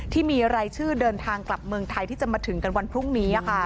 ที่มีรายชื่อเดินทางกลับเมืองไทยที่จะมาถึงกันวันพรุ่งนี้